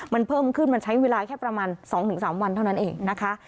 มันเพิ่มขึ้นมันใช้เวลาแค่ประมาณ๒๓วันเท่านั้นเองนะคะ